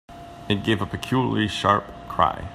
It gave a peculiarly sharp cry.